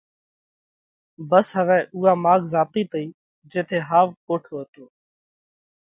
ڀس هوَئہ اُوئا ماڳ زاتئِي تئِي جيٿئہ ۿاوَ پوٽو هتو